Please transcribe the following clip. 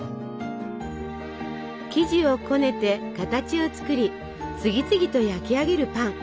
生地をこねて形を作り次々と焼き上げるパン。